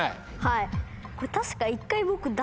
これ確か。